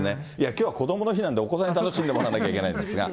きょうはこどもの日なんで、お子さんに楽しんでもらわないといけないんですが。